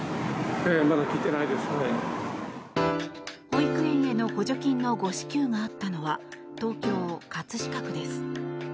保育園への補助金の誤支給があったのは東京・葛飾区です。